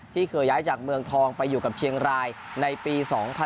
เคยย้ายจากเมืองทองไปอยู่กับเชียงรายในปี๒๐๑๖